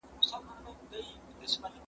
زه مخکي لوښي وچولي وو!